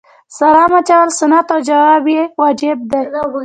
سلام اچول سنت او جواب یې واجب دی